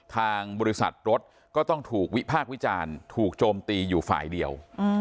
ทางบริษัทรถก็ต้องถูกวิพากษ์วิจารณ์ถูกโจมตีอยู่ฝ่ายเดียว